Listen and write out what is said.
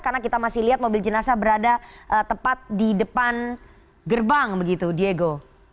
karena kita masih lihat mobil jenazah berada tepat di depan gerbang begitu diego